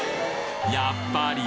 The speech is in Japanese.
やっぱり！